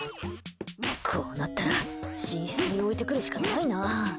こうなったら寝室に置いてくるしかないな。